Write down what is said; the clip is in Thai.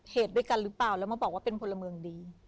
เหตุด้วยกันหรือเปล่าแล้วมาบอกว่าเป็นพลเมืองดี